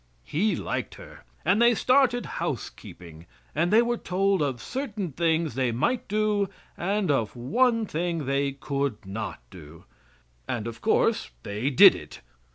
He liked her and they started housekeeping, and they were told of certain things they might do and of one thing they could not do and of course they did it.